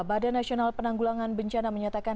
badan nasional penanggulangan bencana menyatakan